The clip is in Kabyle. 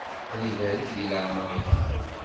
Ad ibarek di leεmeṛ-ik!